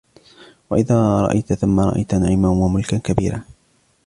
وَإِذَا رَأَيْتَ ثَمَّ رَأَيْتَ نَعِيمًا وَمُلْكًا كَبِيرًا